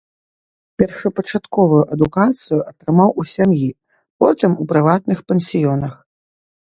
Першапачатковую адукацыю атрымаў у сям'і, потым у прыватных пансіёнах.